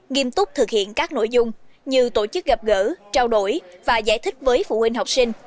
nghiêm túc thực hiện các nội dung như tổ chức gặp gỡ trao đổi và giải thích với phụ huynh học sinh